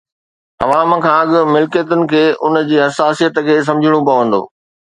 عوام کان اڳ ملڪيتن کي ان جي حساسيت کي سمجهڻو پوندو.